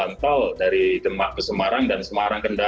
yang berfungsi sebagai penyelesaian jalan tol dari semarang dan semarang kendal